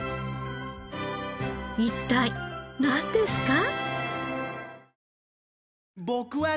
一体なんですか？